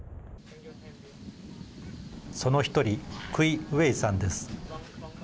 その１人クイ・ウエイさんです。